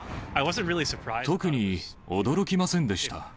特に驚きませんでした。